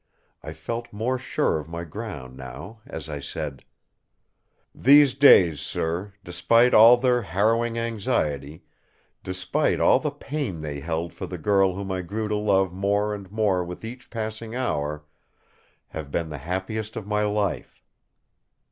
I felt more sure of my ground now as I said: "These days, sir, despite all their harrowing anxiety, despite all the pain they held for the girl whom I grew to love more and more with each passing hour, have been the happiest of my life!"